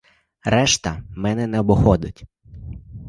Решта мене не обходить.